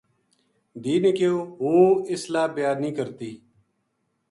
دھی نے کہیو" ہوں اِسلا بیاہ نیہہ کرتی "